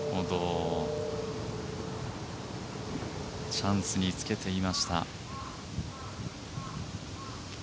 チャンスにつけていました。